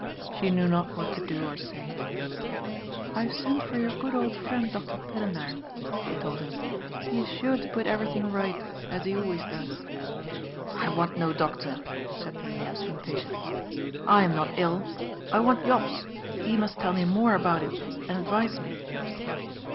She knew not what to do or say. " I have sent for your good old friend. Doctor Pillenaar," she told him, "he is sure to put everything right, as he always does." " I want no doctor," said Elias impatiently. " I am not ill. I want Jops; he must tell me more about it, and advise me.